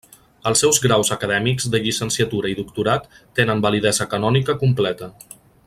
Els seus graus acadèmics de llicenciatura i doctorat tenen validesa canònica completa.